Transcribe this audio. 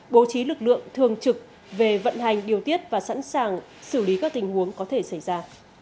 bố trí lực lượng thường trực về vận hành điều tiết và sẵn sàng xử lý các tình huống có thể xảy ra